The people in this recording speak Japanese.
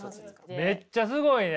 めっちゃすごいね。